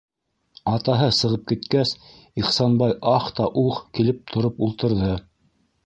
Атаһы сығып киткәс, Ихсанбай «ах» та «ух» килеп тороп ултырҙы.